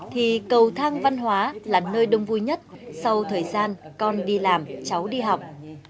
thì cầu thang văn hóa là nơi đông vui nhất sau thời gian con đi làm cháu đi học